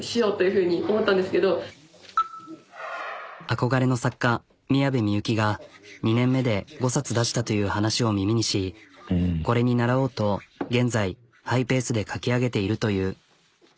憧れの作家宮部みゆきが２年目で５冊出したという話を耳にしこれにならおうと現在ハイペースで書き上げているという。